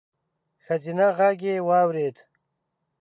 ښځينه غږ يې واورېد: